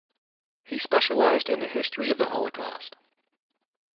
He specialised in the history of the Holocaust.